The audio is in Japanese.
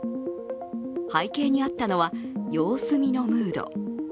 背景にあったのは様子見のムード。